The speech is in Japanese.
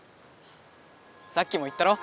さっきも言ったろ！